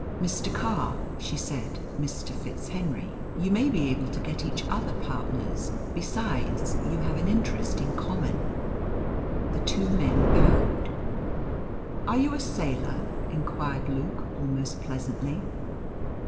"Mr. Carr," she said, "Mr. FitzHenry. You may be able to get each other partners. Besides, you have an interest in common." The two men bowed. "Are you a sailor?" inquired Luke, almost pleasantly.